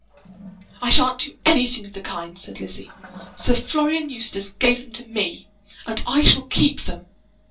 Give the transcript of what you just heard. "I sha'n't do anything of the kind," said Lizzie. "Sir Florian Eustace gave them to me, and I shall keep them."